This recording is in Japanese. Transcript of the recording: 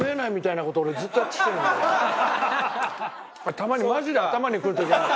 たまに、マジで頭にくる時ある。